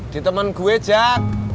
di temen gue jak